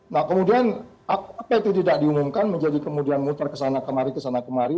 nah kemudian apa itu tidak diumumkan menjadi kemudian muter kesana kemari kesana kemari